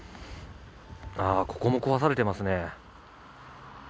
あ、ここも壊されていますね。